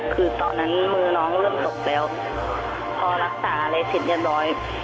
คือตอนนั้นมือน้องเริ่มตกแล้วพอรักษาอะไรเสร็จเรียบร้อย